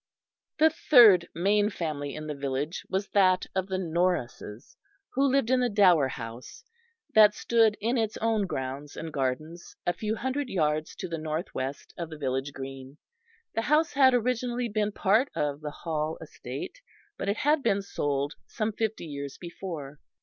The third main family in the village was that of the Norrises, who lived in the Dower House, that stood in its own grounds and gardens a few hundred yards to the north west of the village green. The house had originally been part of the Hall estate; but it had been sold some fifty years before.